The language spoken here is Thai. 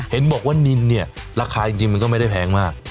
เห็นบอกว่านินเนี่ยราคาจริงมันก็ไม่ได้แพงมาก